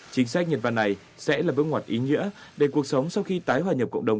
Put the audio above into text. chính sách nhật văn này sẽ là vương hoạt ý nghĩa để cuộc sống sau khi tái hoạt nhập cộng đồng